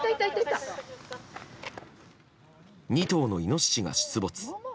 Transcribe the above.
２頭のイノシシが出没。